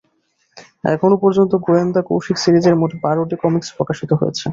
এখনও পর্যন্ত গোয়েন্দা কৌশিক সিরিজের মোট বারোটি কমিক্স প্রকাশিত হয়েছে।